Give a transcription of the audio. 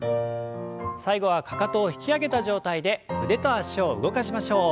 最後はかかとを引き上げた状態で腕と脚を動かしましょう。